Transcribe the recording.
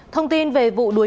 thông tin về vụ đuối nước